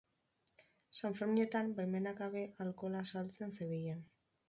Sanferminetan baimenik gabe alkohola saltzen zebilen.